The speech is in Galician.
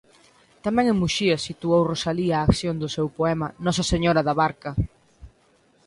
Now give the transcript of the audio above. Tamén en Muxía situou Rosalía a acción do seu poema Nosa Señora da Barca.